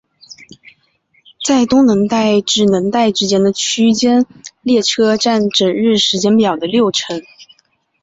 在东能代至能代之间的区间列车占整日时间表的六成。